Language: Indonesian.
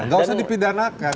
gak usah dipidanakan